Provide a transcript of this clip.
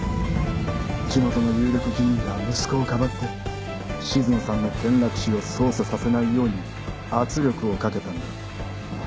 地元の有力議員が息子をかばって静野さんの転落死を捜査させないように圧力をかけたんだ